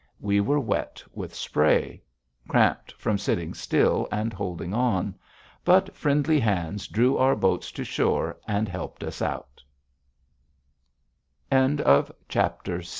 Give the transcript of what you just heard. We were wet with spray, cramped from sitting still and holding on. But friendly hands drew our boats to shore and helped